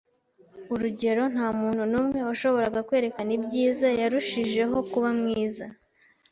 urugero ntamuntu numwe washoboraga kwerekana ibyiza. Yarushijeho kuba mwiza